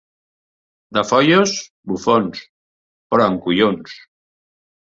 De Foios, bufons, però amb collons.